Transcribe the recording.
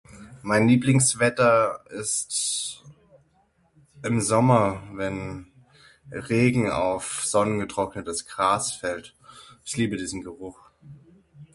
Mein Lieblingswetter ist im Sommer wenn Regen auf sonnengetrocknetes Gras fällt, ich liebe diesen Geruch.